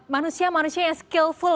manusia manusia yang skillful